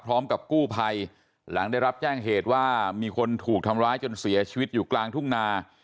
พร้อมกับกู้ภัยหลังได้รับแจ้งเหตุว่ามีคนถูกทำร้ายจนเสียชีวิตอยู่กลางทุ่งนา